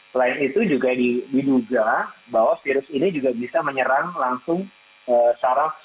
selain itu juga diduga bahwa virus ini juga bisa menyerang langsung saraf sensorik dari rongga hidung